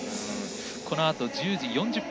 このあと１０時４０分